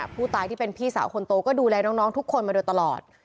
ผู้ตายที่เป็นพี่สาวคนโตก็ดูแลน้องทุกคนมาโดยตลอด